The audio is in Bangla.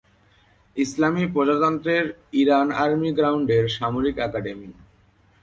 ইসলামী প্রজাতন্ত্রের ইরান আর্মি গ্রাউন্ডের সামরিক একাডেমী।